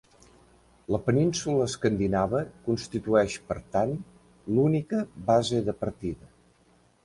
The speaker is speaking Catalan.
La península escandinava constitueix, per tant, l'única base de partida.